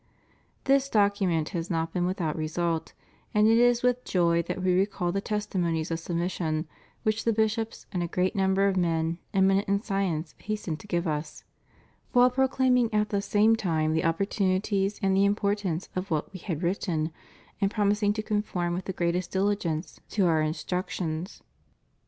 This document has not been without resvdt, and it is with joy that We recall the testimonies of submission which the bishops and a great number of men eminent in science hastened to give Us while proclaiming at the same time the opportuneness and the importance of what We had written; and promising to conform with the greatest diligence to Our instruc * 537 538 THE BIBLICAL COMMISSION. tions.